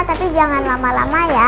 tapi jangan lama lama ya